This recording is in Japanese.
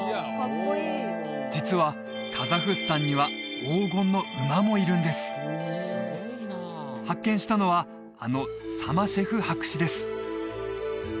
実はカザフスタンには黄金の馬もいるんです発見したのはあのサマシェフ博士です